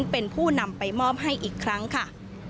เป็นผู้นำไปมอบให้อีกครั้งค่ะ